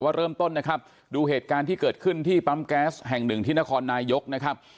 เริ่มต้นนะครับดูเหตุการณ์ที่เกิดขึ้นที่ปั๊มแก๊สแห่งหนึ่งที่นครนายกนะครับ